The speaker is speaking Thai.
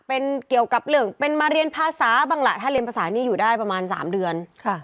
เป็นมาเรียนภาษาบางหละถ้าเรียนภาษานี้อยู่ได้ประมาณ๓เดือน